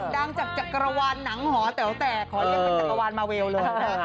ดังจากจักรวาลหนังหอแต๋วแตกขอเรียกเป็นจักรวาลมาเวลเลย